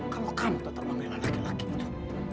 kalau kamu tetap membela laki laki itu